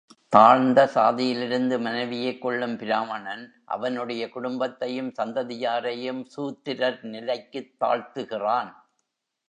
தாழ்ந்த சாதியிலிருந்து மனைவியைக் கொள்ளும் பிராமணன் அவனுடைய குடும்பத்தையும் சந்ததியாரையும் சூத்திரர் நிலைக்குத் தாழ்த்துகிறான்.